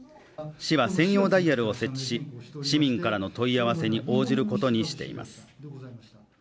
市は専用ダイヤルを設置し市民からの問い合わせに応じることにしています